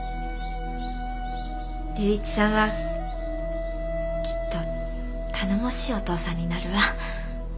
龍一さんはきっと頼もしいお父さんになるわ。